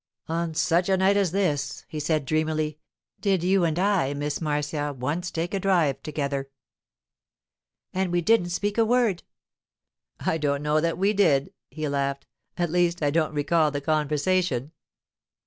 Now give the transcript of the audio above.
'On such a night as this,' he said dreamily, 'did you and I, Miss Marcia, once take a drive together.' 'And we didn't speak a word!' 'I don't know that we did,' he laughed. 'At least I don't recall the conversation.